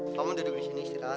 kamu duduk disini istirahat